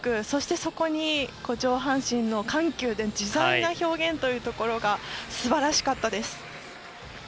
そして、そこに上半身の緩急の自在な表現というところが素晴らしかったです。